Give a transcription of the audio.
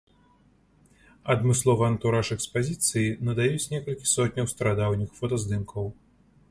Адмысловы антураж экспазіцыі надаюць некалькі сотняў старадаўніх фотаздымкаў.